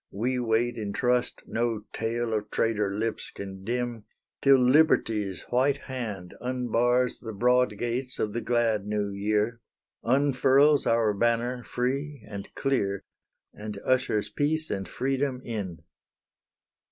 we wait in trust No tale of traitor lips can dim, Till Liberty's white hand unbars The broad gates of the glad New Year, Unfurls our banner free and clear, And ushers Peace and Freedom in!